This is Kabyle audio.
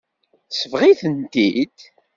Tesbeɣ-itent-id.